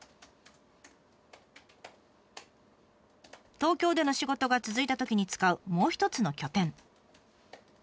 東京での仕事が続いたときに使うもう一つの拠点。